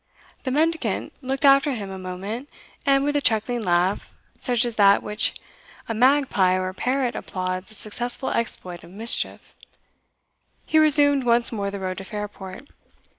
The mendicant looked after him a moment, and with a chuckling laugh, such as that with which a magpie or parrot applauds a successful exploit of mischief, he resumed once more the road to Fairport.